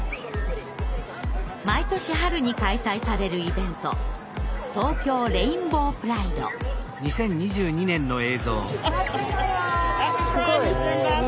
毎年春に開催されるイベントすごい人気。